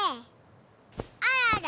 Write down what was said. あらら。